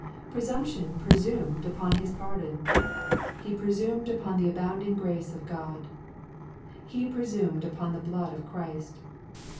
Presumption presumed upon his pardon. He presumed upon the abounding grace of God. He presumed upon the blood of Christ.